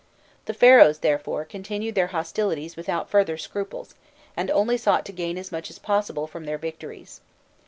The Pharaohs, therefore, continued their hostilities without further scruples, and only sought to gain as much as possible from their victories.